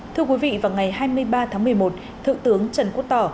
thưa quý vị vào ngày hai mươi ba tháng một mươi một thượng tướng trần quốc tỏ